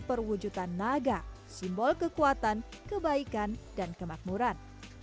perwujudan naga simbol kekuatan kebaikan dan kemakmuran